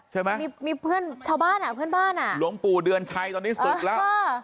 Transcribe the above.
ใช่ไหมมีมีเพื่อนชาวบ้านอ่ะเพื่อนบ้านอ่ะหลวงปู่เดือนชัยตอนนี้ศึกแล้ว